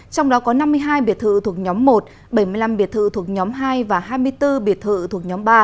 trong đó có năm mươi hai biệt thự thuộc nhóm một bảy mươi năm biệt thự thuộc nhóm hai và hai mươi bốn biệt thự thuộc nhóm ba